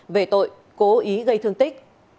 về tội cố ý gây thương tích